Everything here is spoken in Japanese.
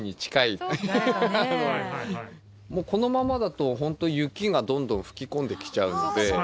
もうこのままだとホントに雪がどんどん吹き込んできちゃうので。